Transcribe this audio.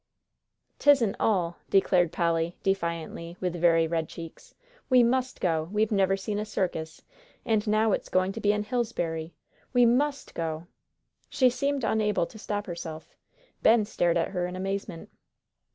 "Tisn't all," declared Polly, defiantly, with very red cheeks; "we must go! We've never seen a circus, and now it's goin' to be in Hillsbury, we must go!" She seemed unable to stop herself. Ben stared at her in amazement.